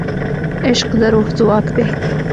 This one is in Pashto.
عشق د روح ځواک دی.